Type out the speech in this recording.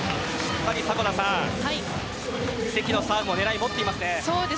関のサーブは狙いを持っています。